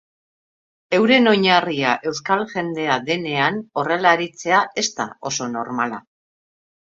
Euren oinarria euskal jendea denean horrela aritzea ez da oso normala.